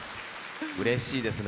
うれしいですね。